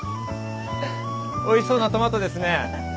おいしそうなトマトですね。